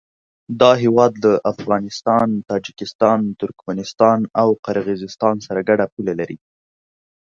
دا هېواد له افغانستان، تاجکستان، ترکمنستان او قرغیزستان سره ګډه پوله لري.